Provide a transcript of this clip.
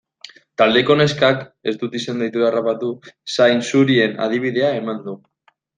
Taldeko neskak, ez dut izen-deitura harrapatu, zainzurien adibidea eman du.